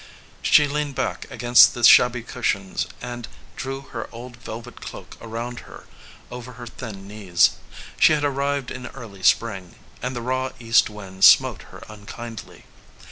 She leaned back against the shabby cushions and drew her old velvet cloak around her over her thin knees. She had arrived in early spring, and the raw east wind smote her unkindly.